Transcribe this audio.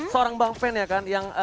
seorang bang pen ya kan yang